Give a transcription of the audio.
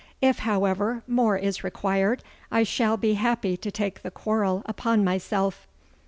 If, however, more is required, I shall be happy to take the quarrel upon myself.